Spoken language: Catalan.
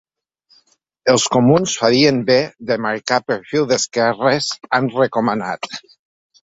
Els comuns farien bé de marcar perfil d’esquerres, han recomanat.